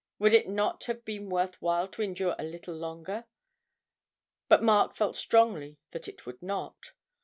Would it not have been worth while to endure a little longer but Mark felt strongly that it would not.